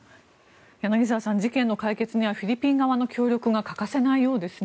柳澤さん事件の解決にはフィリピン側の協力が欠かせないようですね。